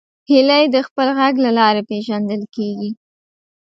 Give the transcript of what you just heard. هیلۍ د خپل غږ له لارې پیژندل کېږي